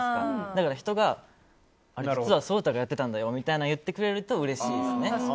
だから人が、実は颯太がやってたんだよみたいなことを言ってくれると、うれしいですね。